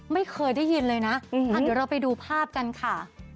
ไม่เคยได้ยินเลยนะเดี๋ยวเราไปดูภาพกันค่ะ